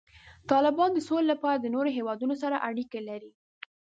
طالبان د سولې لپاره د نورو هیوادونو سره اړیکې لري.